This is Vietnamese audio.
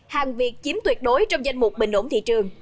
hàng việt chiếm tuyệt đối trong danh mục bình ổn thị trường